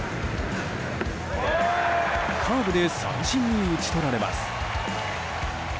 カーブで三振に打ち取られます。